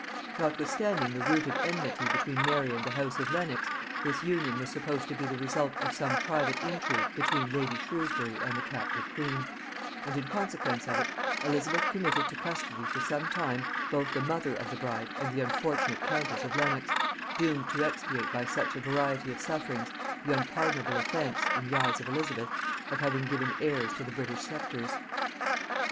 Notwithstanding the rooted enmity between Mary and the house of Lenox, this union was supposed to be the result of some private intrigue between lady Shrewsbury and the captive queen; and in consequence of it Elizabeth committed to custody for some time, both the mother of the bride and the unfortunate countess of Lenox, doomed to expiate by such a variety of sufferings the unpardonable offence, in the eyes of Elizabeth, of having given heirs to the British sceptres.